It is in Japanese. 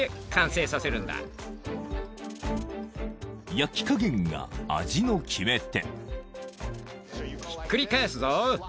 ［焼き加減が味の決め手］